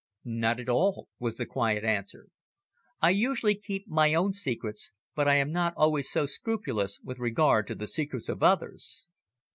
"Not at all," was the quiet answer. "I usually keep my own secrets, but I am not always so scrupulous with regard to the secrets of others.